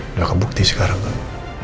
udah kebukti sekarang kamu